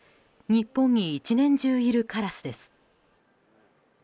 日本に１年中いるカラスです。